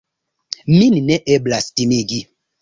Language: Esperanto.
Min ne eblas timigi.